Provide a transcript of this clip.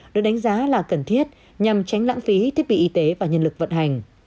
được đánh giá là cần thiết nhằm tránh lãng phí thiết bị y tế và nhân lực vận hành